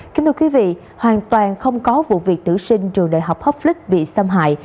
kính thưa quý vị hoàn toàn không có vụ việc tử sinh trường đại học hocklick bị xâm hại